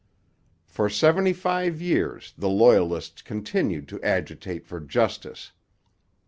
For seventy five years the Loyalists continued to agitate for justice.